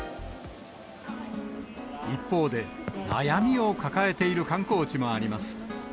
一方で、悩みを抱えている観光地もあります。